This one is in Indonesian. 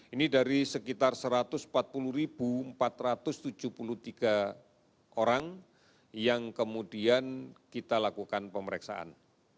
ini dari sekitar satu ratus empat puluh empat ratus tujuh puluh tiga orang yang kemudian kita lakukan pemeriksaan